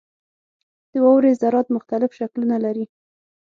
• د واورې ذرات مختلف شکلونه لري.